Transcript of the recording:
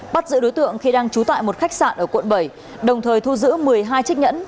bắt giữ đối tượng khi đang trú tại một khách sạn ở quận bảy đồng thời thu giữ một mươi hai chiếc nhẫn